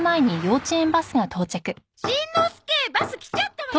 しんのすけバス来ちゃったわよ。